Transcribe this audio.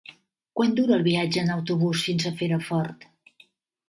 Quant dura el viatge en autobús fins a Perafort?